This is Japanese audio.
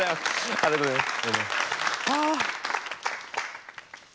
ありがとうございます。